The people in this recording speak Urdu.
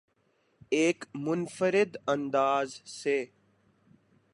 ایک منفرد انداز سے